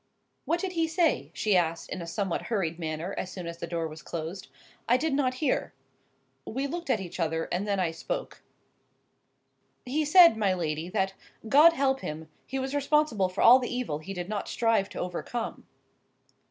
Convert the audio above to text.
"What did he say?" she asked in a somewhat hurried manner, as soon as the door was closed—"I did not hear." We looked at each other, and then I spoke: "He said, my lady, that 'God help him! he was responsible for all the evil he did not strive to overcome.